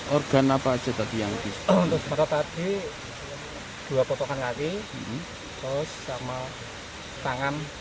organ apa aja tadi yang bisa untuk sepakat tadi dua potongan kaki terus sama tangan